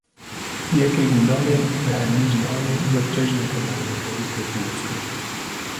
Yekê Gulanê, li hemî cihanê wek cejneke navnetewî tê pîroz kirin